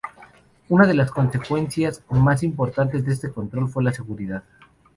Una de las consecuencias más importantes de este control fue la seguridad.